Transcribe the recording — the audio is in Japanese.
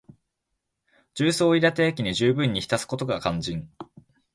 重曹を入れた液にじゅうぶんに浸すことが肝要。